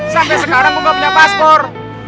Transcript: sampai sekarang gue gak punya paspor